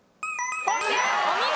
お見事。